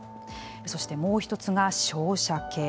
そして、もう一つが照射系。